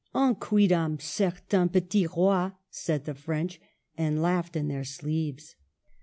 *' Un quidam cer tain petit roi," said the French, and laughed in their sleeves.